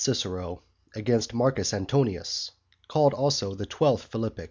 CICERO AGAINST MARCUS ANTONIUS. CALLED ALSO THE THIRTEENTH PHILIPPIC.